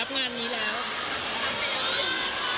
รับงานนี้แล้ว